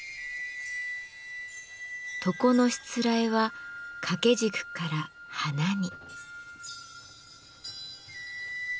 床のしつらえは掛け軸から花に。